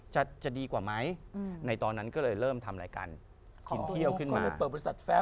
ชื่อดีกว่ามั้ยในตอนนั้นก็เลยเริ่มทำรายการหินเที่ยวขึ้นมา